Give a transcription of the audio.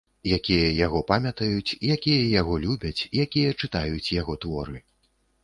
Якія яго памятаюць, якія яго любяць, якія чытаюць яго творы.